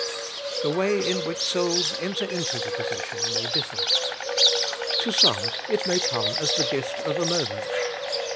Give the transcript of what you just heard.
The way in which souls enter into the possession may differ. To some it may come as the gift of a moment.